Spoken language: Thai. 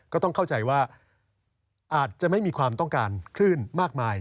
ก็ต้องเข้าใจว่าอาจจะไม่มีความต้องการคลื่นมากมาย